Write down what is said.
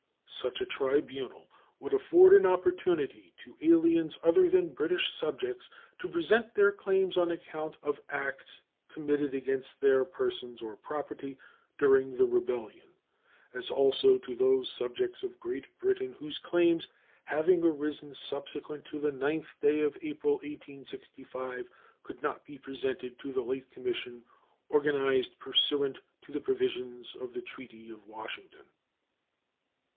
Such a tribunal would afford an opportunity to aliens other than British subjects to present their claims on account of acts committed against their persons or property during the rebellion, as also to those subjects of Great Britain whose claims, having arisen subsequent to the 9th day of April, 1865, could not be presented to the late commission organized pursuant to the provisions of the treaty of Washington.